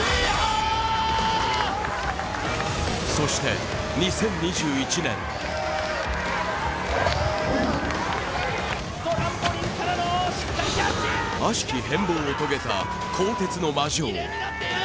そして２０２１年悪しき変貌を遂げた鋼鉄の魔城